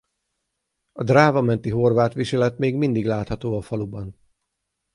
A Dráva-menti horvát viselet még mindig látható a faluban.